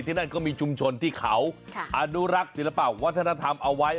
นั่นก็มีชุมชนที่เขาอนุรักษ์ศิลปะวัฒนธรรมเอาไว้